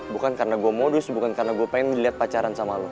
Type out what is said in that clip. bukan karena gue modus bukan karena gue pengen lihat pacaran sama lo